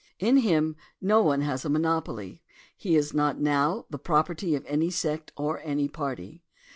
In him no one has a monopoly; he is not now the property of any sect or any party.